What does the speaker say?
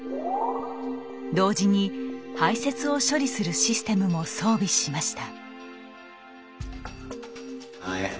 同時に排せつを処理するシステムも装備しました。